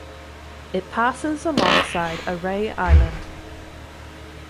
It passes alongside Arey Island.